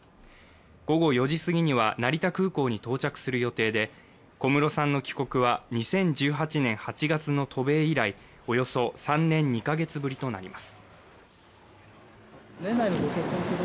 午後４時すぎには成田空港に到着する予定で、小室さんの帰国は２０１８年８月の渡米以来およそ３年２カ月ぶりとなります。